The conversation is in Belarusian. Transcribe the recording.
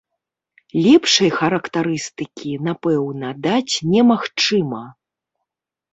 Лепшай характарыстыкі, напэўна, даць немагчыма!